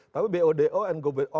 tapi bodo dan gobo